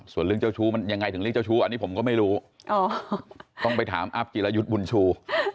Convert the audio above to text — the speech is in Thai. ส่วนเรื่องเจ้าชู้มันยังไงถึงเรียกเจ้าชู้อันนี้ผมก็ไม่รู้ต้องไปถามอัพจิรยุทธ์บุญชู